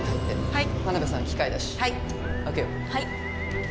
はい。